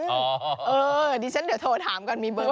เพราะอ๋อดิฉันเดี๋ยวโทรถามก่อนมีเบอร์ไหม